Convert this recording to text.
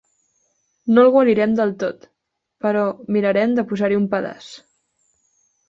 No el guarirem del tot, però mirarem de posar-hi un pedaç.